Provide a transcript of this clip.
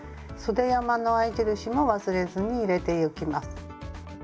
そで山の合印も忘れずに入れてゆきます。